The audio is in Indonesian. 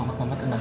mama mama tenang